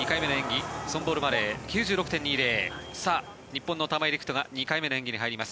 日本の玉井陸斗が２回目の演技に入ります。